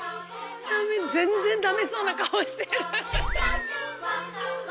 全然ダメそうな顔してる。